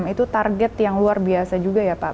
itu target yang luar biasa juga ya pak